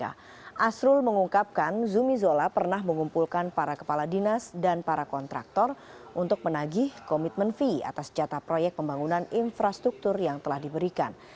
asrul mengungkapkan zumi zola pernah mengumpulkan para kepala dinas dan para kontraktor untuk menagih komitmen fee atas jatah proyek pembangunan infrastruktur yang telah diberikan